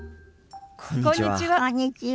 こんにちは。